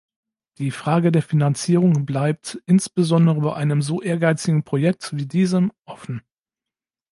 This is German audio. Die Frage der Finanzierung bleibt, insbesondere bei einem so ehrgeizigen Projekt wie diesem, offen.